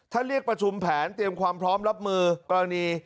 ถ้าเรียกประชุมแผนเตรียมความพร้อมรับมือกรณี